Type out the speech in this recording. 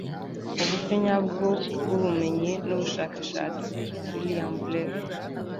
uburyo nyabwo bwubumenyi nubushakashatsi. - william blake